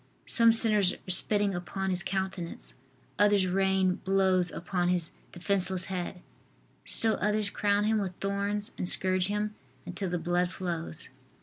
Some sinners are spitting upon His countenance, others rain blows upon His defenceless head; still others crown Him with thorns and scourge Him until the blood flows.